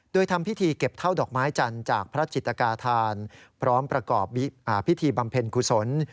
โดยทำพิธีเก็บเท่าดอกไม้จันทร์จากพระจิตกาธานพร้อมประกอบพิธีบำเพ็ญกุศล